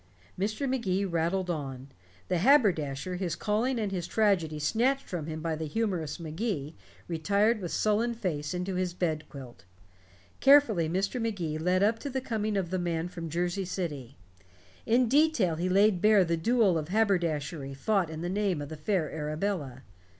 Mr. Magee rattled on. The haberdasher, his calling and his tragedy snatched from him by the humorous Magee, retired with sullen face into his bed quilt. Carefully Mr. Magee led up to the coming of the man from Jersey City; in detail he laid bare the duel of haberdashery fought in the name of the fair Arabella.